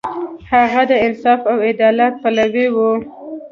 هغه د انصاف او عدالت پلوی و.